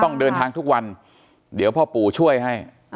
ต้องเดินทางทุกวันเดี๋ยวพ่อปู่ช่วยให้